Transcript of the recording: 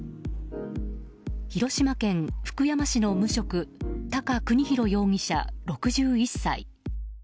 広島県福山市の無職高邦洋容疑者、６１歳。